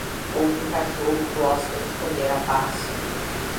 Outro cachorro gosta de comer a paz.